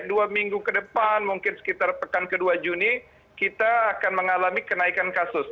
dua minggu ke depan mungkin sekitar pekan ke dua juni kita akan mengalami kenaikan kasus